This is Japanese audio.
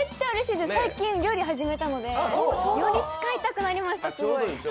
最近料理始めたので、より使いたくなりました。